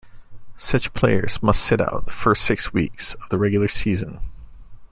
Such players must sit out the first six weeks of the regular season.